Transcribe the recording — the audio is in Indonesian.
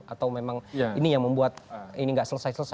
atau memang ini yang membuat ini nggak selesai selesai